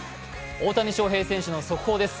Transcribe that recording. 大谷翔平選手の速報です。